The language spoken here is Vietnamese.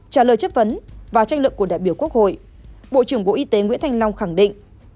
trả lời chất vấn và tranh luận của đại biểu quốc hội bộ trưởng bộ y tế nguyễn thanh long khẳng định